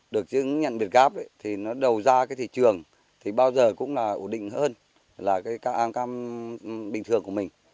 được chứng nhận việt gáp thì nó đầu ra cái thị trường thì bao giờ cũng là ổn định hơn là cái ăn cam bình thường của mình